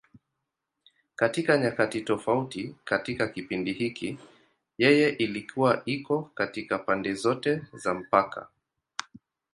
Katika nyakati tofauti katika kipindi hiki, yeye ilikuwa iko katika pande zote za mpaka.